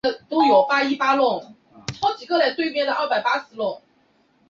机翼结构是由内四角异型管组成。